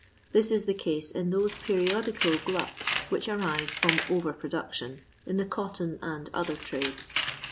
This is the case in those periodical gluts which arise from over productiou, in th» cotton and other trades.